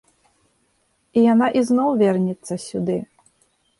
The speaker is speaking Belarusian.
І яна ізноў вернецца сюды.